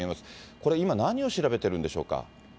これ、今、何を調べてるんでしょうか。